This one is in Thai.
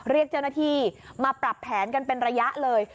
เรียกเจ้าหน้าที่มาปรับแผนกันเป็นระยะเลย